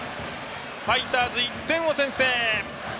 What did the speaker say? ファイターズ、１点先制！